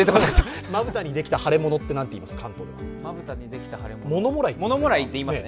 まぶたにできた腫れ物って関東では何と言います？